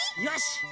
よし。